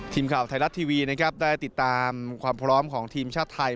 ทีมข่าวไทยรัฐทีวีนะครับได้ติดตามความพร้อมของทีมชาติไทย